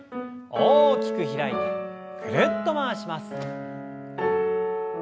大きく開いてぐるっと回します。